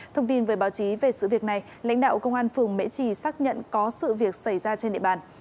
thông tin với báo chí về sự việc này lãnh đạo công an phường mễ trì xác nhận có sự việc xảy ra trên địa bàn